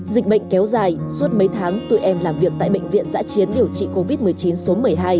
dịch bệnh kéo dài suốt mấy tháng tụi em làm việc tại bệnh viện giã chiến điều trị covid một mươi chín số một mươi hai